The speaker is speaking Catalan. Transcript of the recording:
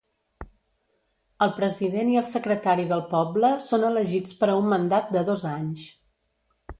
El president i el secretari del poble són elegits per a un mandat de dos anys.